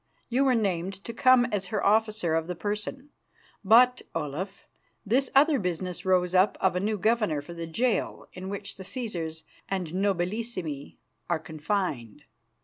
You were named to come as her officer of the Person; but, Olaf, this other business rose up of a new governor for the jail in which the Cæsars and Nobilissimi are confined.